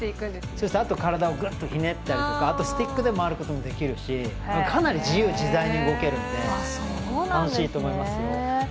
あと体をぐっとひねったりとかスティックで回ることもできるしかなり自由自在に動けるので楽しいと思いますよ。